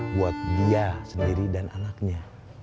buat dia sendiri dan anaknya